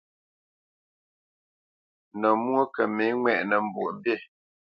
Nə̌ mwó kə mə̌ ŋwɛʼnə Mbwoʼmbî.